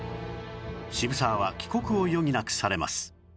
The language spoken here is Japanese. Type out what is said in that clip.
渋沢は帰国を余儀なくされます